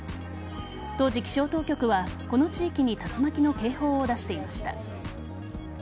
当時、気象当局はこの地域に竜巻の警報を出していました。